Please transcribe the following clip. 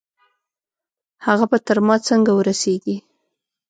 هغه به تر ما څنګه ورسېږي؟